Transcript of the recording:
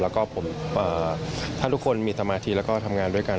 แล้วก็ผมถ้าทุกคนมีสมาธิแล้วก็ทำงานด้วยกัน